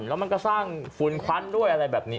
แล้วมันก็สร้างฝุ่นควันด้วยอะไรแบบนี้